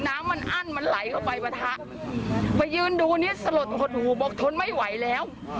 น้ำมันอั้นมันไหลเข้าไปปะทะมายืนดูเนี้ยสลดหดหูบอกทนไม่ไหวแล้ว